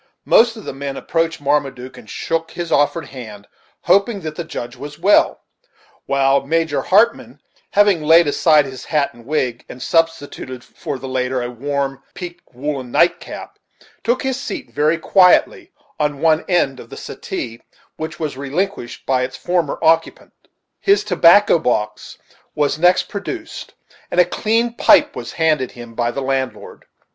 Most of the men approached Marmaduke, and shook his offered hand, hoping "that the Judge was well;" while Major Hartmann having laid aside his hat and wig, and substituted for the latter a warm, peaked woollen nightcap, took his seat very quietly on one end of the settee, which was relinquished by its former occupant. His tobacco box was next produced, and a clean pipe was handed him by the landlord.